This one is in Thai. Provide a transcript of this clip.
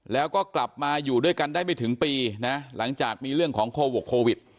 แล้วก็กลับมาอยู่ด้วยกันได้ไม่ถึงปีนะหลังจากมีเรื่องของโควิด